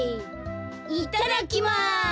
いただきます！